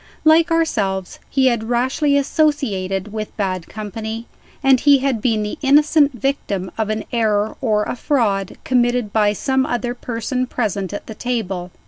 Like ourselves, he had rashly associated with bad company; and he had been the innocent victim of an error or a fraud, committed by some other person present at the table.